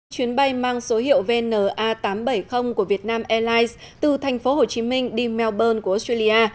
chuyến bay mang số hiệu vna tám trăm bảy mươi của vietnam airlines từ thành phố hồ chí minh đi melbourne của australia